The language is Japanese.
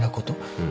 うん。